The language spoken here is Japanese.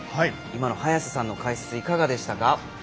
今の早瀬さんの解説いかがでしたか？